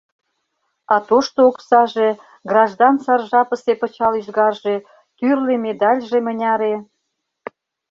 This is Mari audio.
А тошто оксаже, граждан сар жапысе пычал ӱзгарже, тӱрлӧ медальже мыняре!